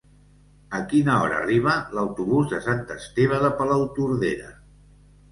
A quina hora arriba l'autobús de Sant Esteve de Palautordera?